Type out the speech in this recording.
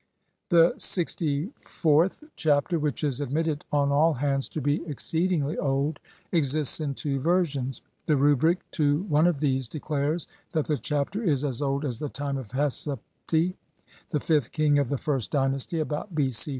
The LXIVth Chapter, which is admitted on all hands to be ex ceedingly old, exists in two versions. The rubric to one of these declares that the Chapter is as old as the time of Hesepti, the fifth king of the first dynasty, about B. C.